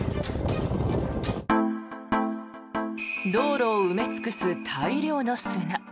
道路を埋め尽くす大量の砂。